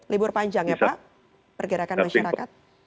libur panjang ya pak pergerakan masyarakat